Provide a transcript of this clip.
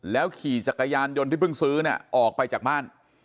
ขี่จักรยานยนต์ที่เพิ่งซื้อเนี่ยออกไปจากบ้าน